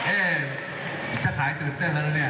เอ๊ะจะขายตื่นเต้นแล้วนะเนี่ย